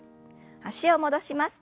脚を戻します。